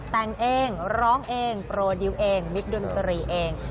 แต่งเองร้องเองโปรดิวเองมิคดนตรีเอง